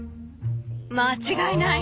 間違いない。